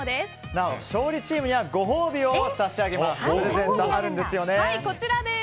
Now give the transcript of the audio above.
なお、勝利チームにはご褒美を差し上げます。